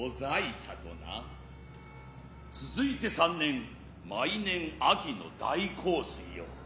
続いて三年毎年秋の大洪水よ。